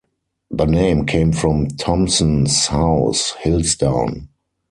The name came from Thompson's house - "Hillsdown".